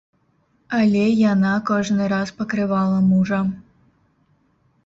Але яна кожны раз пакрывала мужа.